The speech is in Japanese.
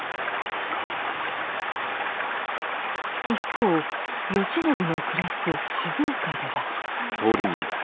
一方慶喜の暮らす静岡では。